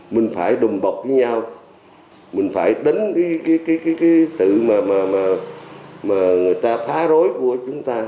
mình phải đùm bọc với nhau mình phải đánh cái sự mà người ta phá rối của chúng ta